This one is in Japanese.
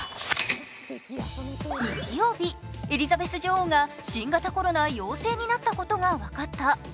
日曜日、エリザベス女王が新型コロナ陽性になったことが分かった。